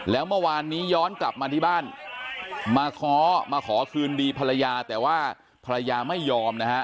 แล้วเมื่อวานนี้ย้อนกลับมาที่บ้านมาค้อมาขอคืนดีภรรยาแต่ว่าภรรยาไม่ยอมนะฮะ